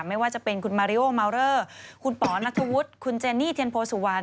ไม่ว่าจะเป็นคุณมาริโอมาวเลอร์คุณป๋อนัทธวุฒิคุณเจนี่เทียนโพสุวรรณ